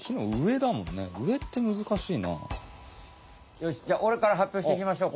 よしじゃあおれからはっぴょうしていきましょうか。